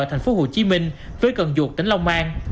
thành phố hồ chí minh với cần duột tỉnh long an